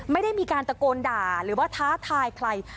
ไม่ได้มีการตะโกนด่าหรือว่าท้าทายใคร